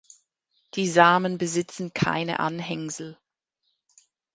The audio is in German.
Die Samen besitzen keine Anhängsel.